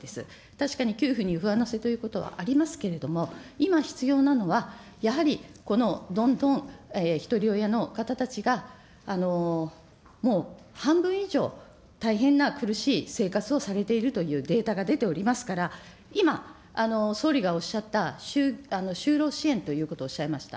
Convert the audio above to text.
確かに給付に上乗せということはありますけれども、今必要なのは、やはりこのどんどんひとり親の方たちがもう半分以上、大変な苦しい生活をされているというデータが出ておりますから、今、総理がおっしゃった、就労支援ということをおっしゃいました。